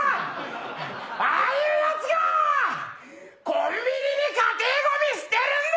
ああいうやつがコンビニに家庭ごみ捨てるんだ！